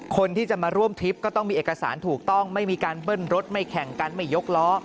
คนที่จะมาร่วมทริปก็ต้องมีเอกสารถูกต้องไม่มีการเบิ้ลรถไม่แข่งกันไม่ยกล้อ